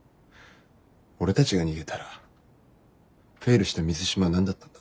俺たちが逃げたらフェイルした水島は何だったんだ。